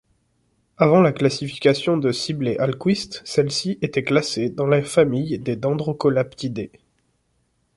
Avant la classification de Sibley-Ahlquist, celles-ci étaient classées dans la famille des Dendrocolaptidae.